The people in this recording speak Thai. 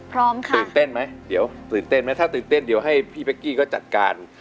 พร้อมค่ะตื่นเต้นไหมเดี๋ยวตื่นเต้นไหมถ้าตื่นเต้นเดี๋ยวให้พี่เป๊กกี้ก็จัดการ